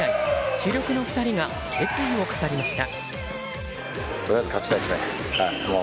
主力の２人が決意を語りました。